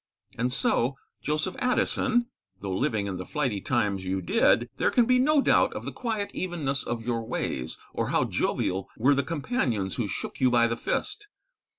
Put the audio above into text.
And so, Joseph Addison, though living in the flighty times you did, there can be no doubt of the quiet evenness of your ways, or how jovial were the companions who shook you by the fist.